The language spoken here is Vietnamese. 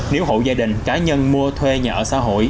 nếu hộ gia đình cá nhân mua thuê nhà ở xã hội